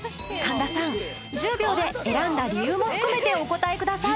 １０秒で選んだ理由も含めてお答えください。